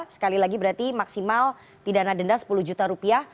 sekali lagi berarti maksimal pidana denda sepuluh juta rupiah